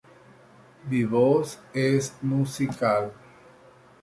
Sus estudios se especializaron en percepción.